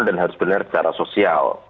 dan harus benar secara sosial